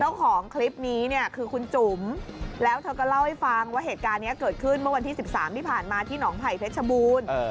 เจ้าของคลิปนี้เนี่ยคือคุณจุ๋มแล้วเธอก็เล่าให้ฟังว่าเหตุการณ์นี้เกิดขึ้นเมื่อวันที่๑๓ที่ผ่านมาที่หนองไผ่เพชรบูรณ์